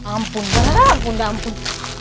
ampun beneran ampun ampun